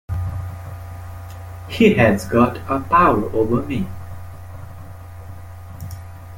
He has got a power over me.